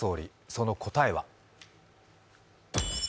その答えは。